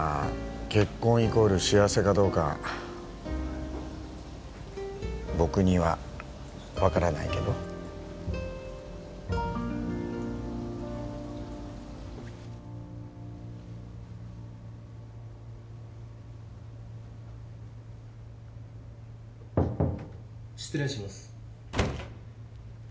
結婚イコール幸せかどうか僕には分からないけど失礼します